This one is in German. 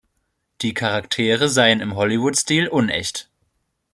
Die Charaktere seien im Hollywood-Stil unecht.